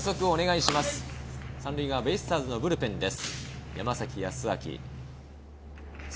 ベイスターズのブルペンです。